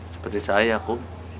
seperti saya aku